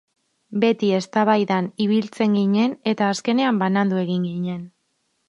Beti eztabaidan ibiltzen ginen eta azkenean banandu egin ginen.